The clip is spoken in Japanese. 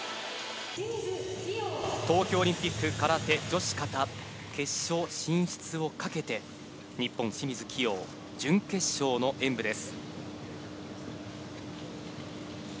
東京オリンピック空手女子形、決勝進出をかけて日本、清水希容準決勝の演武です。